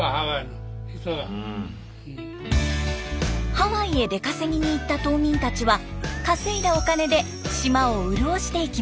ハワイへ出稼ぎに行った島民たちは稼いだお金で島を潤していきました。